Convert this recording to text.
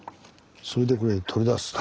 それでこれで取り出すと。